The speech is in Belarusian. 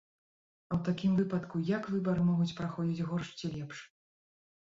А ў такім выпадку, як выбары могуць праходзіць горш ці лепш?